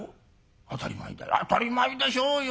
「当たり前だよ当たり前でしょうよ。